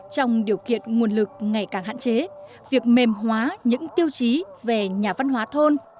trong điều kiện nguồn lực ngày càng hạn chế việc mềm hóa những tiêu chí về nhà văn hóa thôn